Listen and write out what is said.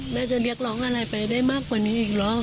จะเรียกร้องอะไรไปได้มากกว่านี้อีกเหรอ